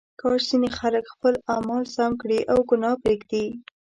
کاش ځینې خلک خپل اعمال سم کړي او ګناه پرېږدي.